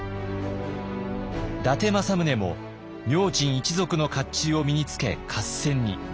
伊達政宗も明珍一族の甲冑を身につけ合戦に。